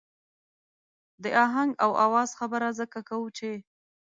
د آهنګ او آواز خبره ځکه کوو چې.